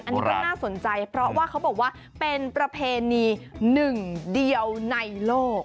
อันนี้ก็น่าสนใจเพราะว่าเขาบอกว่าเป็นประเพณีหนึ่งเดียวในโลก